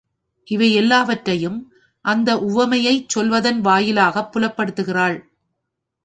இவை எல்லாவற்றையும் அந்த உவமையைச் சொல்வதன் வாயிலாகப் புலப்படுத்துகிறாள்.